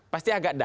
pasti agak dah